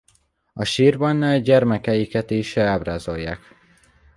A sírban gyermekeiket is ábrázolják.